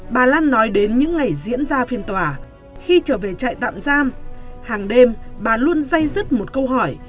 bà lan nói đến những ngày diễn ra phiên tòa khi trở về trại tạm giam hàng đêm bà luôn dây dứt một câu hỏi